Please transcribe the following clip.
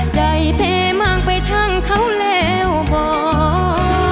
ใจเพมากไปทั้งเขาแล้วบอก